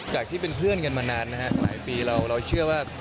ที่เป็นเพื่อนกันมานานนะฮะหลายปีเราเชื่อว่า